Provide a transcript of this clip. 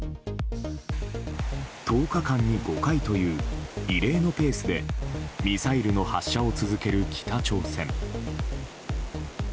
１０日間に５回という異例のペースでミサイルの発射を続ける北朝鮮。